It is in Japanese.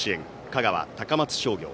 香川・高松商業。